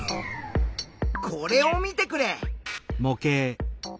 これを見てくれ。